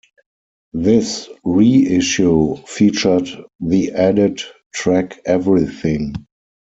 This reissue featured the added track "Everything".